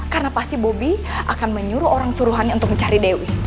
karena pasti bobi akan menyuruh orang suruhannya untuk mencari dewi